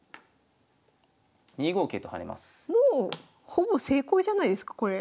ほぼ成功じゃないですかこれ。